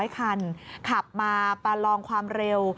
๐คันขับมาประลองความเร็ว